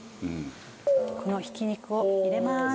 このひき肉を入れます。